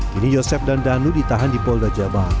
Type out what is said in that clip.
kini yosef dan danu ditahan di polda jabal